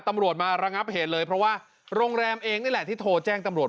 ตำรวจมาระงับเหตุเลยเพราะว่าโรงแรมเองนี่แหละที่โทรแจ้งตำรวจ